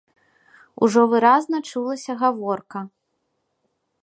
Ужо выразна чулася гаворка.